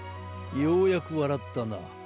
ようやくわらったな。